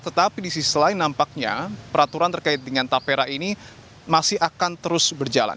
tetapi di sisi lain nampaknya peraturan terkait dengan tapera ini masih akan terus berjalan